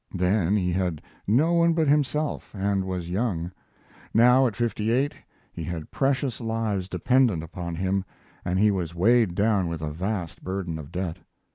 Then he had no one but him self and was young. Now, at fifty eight, he had precious lives dependent upon him, and he was weighed down with a vast burden of debt.